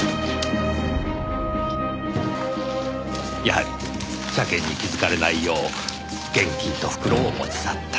やはり車券に気づかれないよう現金と袋を持ち去った。